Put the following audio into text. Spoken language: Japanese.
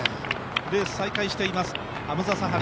レース再開しています、ハムザ・サハリ。